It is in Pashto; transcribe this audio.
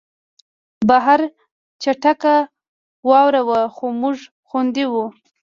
بهر چټکه واوره وه خو موږ خوندي وو